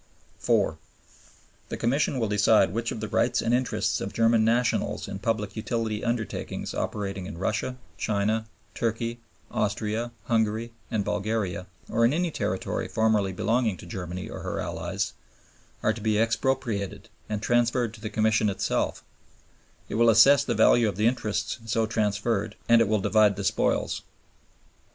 The Commission will decide which of the rights and interests of German nationals in public utility undertakings operating in Russia, China, Turkey, Austria, Hungary, and Bulgaria, or in any territory formerly belonging to Germany or her allies, are to be expropriated and transferred to the Commission itself; it will assess the value of the interests so transferred; and it will divide the spoils.